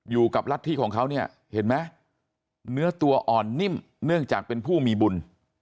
รัฐธิของเขาเนี่ยเห็นไหมเนื้อตัวอ่อนนิ่มเนื่องจากเป็นผู้มีบุญ